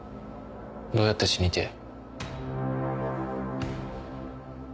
どうやって死にてえ？